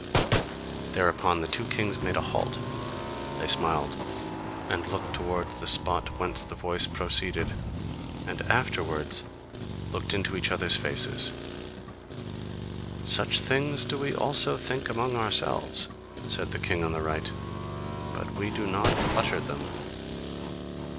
Thereupon the two kings made a halt; they smiled and looked towards the spot whence the voice proceeded, and afterwards looked into each other's faces. "Such things do we also think among ourselves," said the king on the right, "but we do not utter them."